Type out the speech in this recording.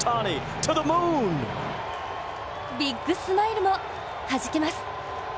ビッグスマイルもはじけます。